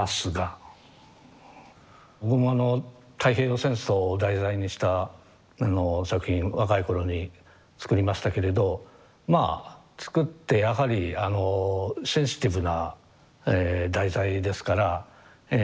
僕もあの太平洋戦争を題材にした作品若い頃に作りましたけれどまあ作ってやはりあのセンシティブなえ題材ですからえ